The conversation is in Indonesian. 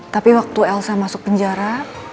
tapi waktu elsa masuk penjara